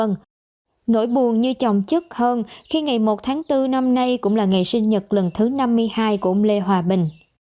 nỗi buồn như chồng chức hơn khi ngày một tháng bốn năm nay cũng là ngày sinh nhật lần thứ năm mươi hai của ông lê hòa bình